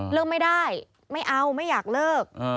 ไม่ได้ไม่เอาไม่อยากเลิก